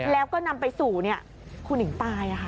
แล้วก็นำไปสู่เนี่ยคุณหญิงตายอ่ะค่ะ